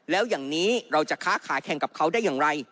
แล้วอย่างนี้เราจะค้าขายแข่งกับเขาได้อย่างไร